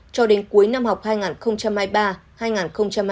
cho đến cuối năm học hai nghìn hai mươi ba hai nghìn hai mươi bốn